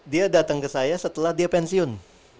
dia datang ke saya setelah dia pensiun